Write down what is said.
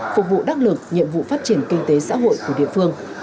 phục vụ đắc lực nhiệm vụ phát triển kinh tế xã hội của địa phương